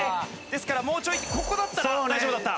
ですからもうちょいここだったら大丈夫だった。